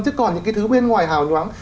chứ còn những cái thứ bên ngoài hào nhoáng